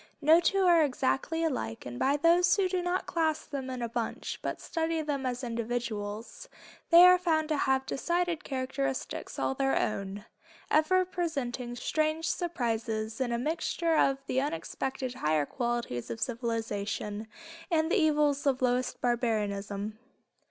No two are exactly alike, and by those who do not class them in a bunch, but study them as individuals, they are found to have decided characteristics all their own, ever presenting strange surprises in a mixture of the unexpected higher qualities of civilization and the evils of lowest barbarism.